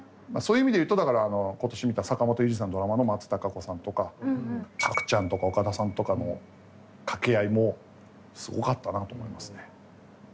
そういう意味でいうとだから今年見た坂元裕二さんのドラマの松たか子さんとか角ちゃんとか岡田さんとかの掛け合いもすごかったなと思いますね。